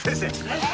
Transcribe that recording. え？